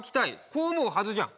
こう思うはずじゃん